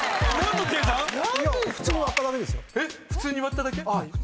普通に割っただけですよ。